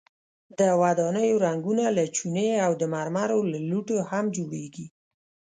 د ودانیو رنګونه له چونې او د مرمرو له لوټو هم جوړیږي.